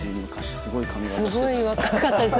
すごい若かったですね